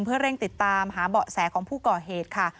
เพื่อเร่งติดตามหาเบาะแสของผู้ก่อเหตุค่ะ